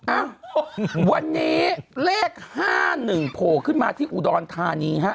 อ่ะวันนี้เลข๕๑โผล่ขึ้นมาที่อุดรธานีฮะ